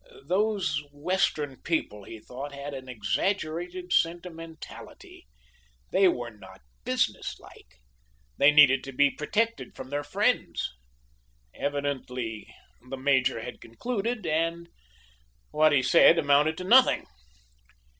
Those Western people, he thought, had an exaggerated sentimentality. They were not business like. They needed to be protected from their friends. Evidently the major had concluded. And what he had said amounted to nothing.